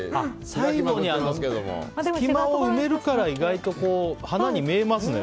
最後に隙間を埋めるから意外と花に見えますね。